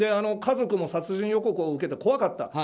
家族も殺害予告を受けて怖かった。